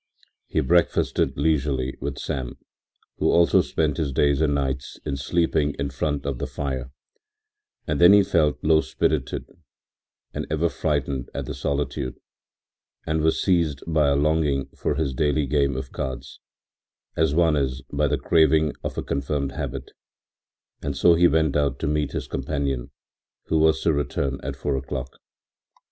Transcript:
He breakfasted leisurely with Sam, who also spent his days and nights in sleeping in front of the fire; then he felt low spirited and even frightened at the solitude, and was seized by a longing for his daily game of cards, as one is by the craving of a confirmed habit, and so he went out to meet his companion, who was to return at four o'clock.